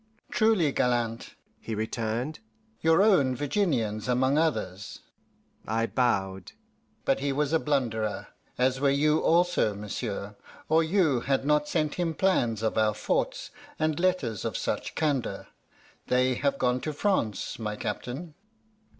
"Truly gallant," he returned "your own Virginians among others" (I bowed); "but he was a blunderer, as were you also, monsieur, or you had not sent him plans of our forts and letters of such candour. They have gone to France, my captain."